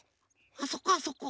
あそこあそこ！